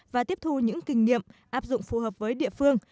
và tiếp thu những kinh nghiệm áp dụng phù hợp với địa phương